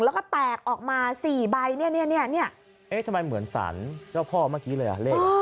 แล้วก็แตกออกมาสี่ใบเนี่ยเนี่ยเนี่ยเนี่ยเอ๊ะทำไมเหมือนสรรเจ้าพ่อเมื่อกี้เลยอ่ะ